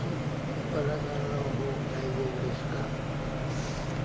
お体のほう大丈夫ですか？」。